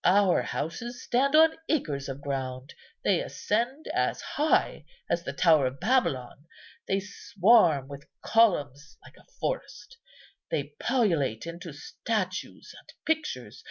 Our houses stand on acres of ground, they ascend as high as the Tower of Babylon; they swarm with columns like a forest; they pullulate into statues and pictures.